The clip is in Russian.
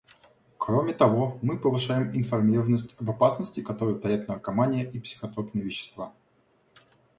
Кроме того, мы повышаем информированность об опасности, которую таят наркомания и психотропные вещества.